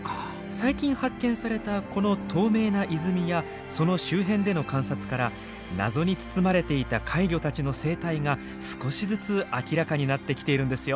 最近発見されたこの透明な泉やその周辺での観察から謎に包まれていた怪魚たちの生態が少しずつ明らかになってきているんですよ。